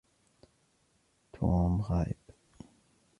توم غائب.